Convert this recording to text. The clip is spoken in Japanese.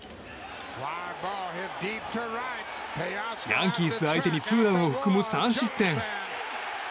ヤンキース相手にツーランを含む３失点。